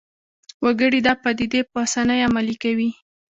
وګړي دا پدیدې په اسانۍ عملي کوي